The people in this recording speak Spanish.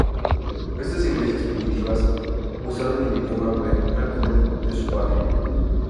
Estas iglesias primitivas usaron el idioma vernáculo de su patria.